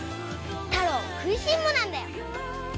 タロウ食いしん坊なんだよ。